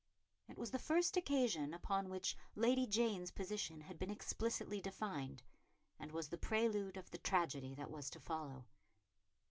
It was the first occasion upon which Lady Jane's position had been explicitly defined, and was the prelude of the tragedy that was to follow.